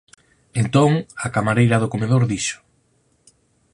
Entón, a camareira do comedor dixo: